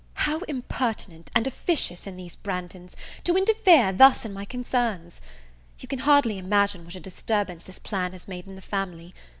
How impertinent and officious in these Branghtons, to interfere thus in my concerns! You can hardly imagine what a disturbance this plan has made in the family.